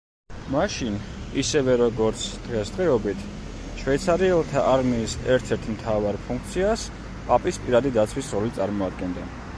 მაშინ, ისევე როგორც დღესდღეობით, შვეიცარიელთა არმიის ერთ-ერთ მთავარ ფუნქციას პაპის პირადი დაცვის როლი წარმოადგენდა.